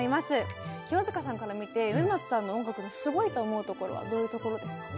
清塚さんから見て植松さんの音楽のすごいと思うところはどういうところですか？